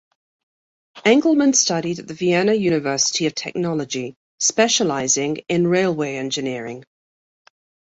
Engelmann studied at the Vienna University of Technology, specializing in railway engineering.